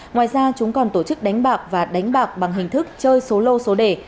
ngoài ra chúng còn tổ chức đánh bạc và đánh bạc bằng hình thức chơi số lô số đề